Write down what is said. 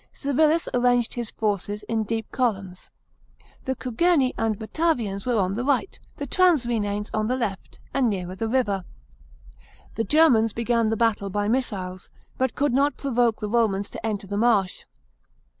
Civilis arranged his forces in deep columns. The Cugerni arid Batavians were on the right, the transrRhenanes on the left and nearer the river. The Germans began the battle by missiles, Hut could not provoke the Romans to enter the marsh.